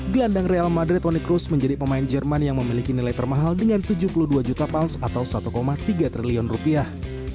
gelandang real madrid onic roast menjadi pemain jerman yang memiliki nilai termahal dengan tujuh puluh dua juta paus atau satu tiga triliun rupiah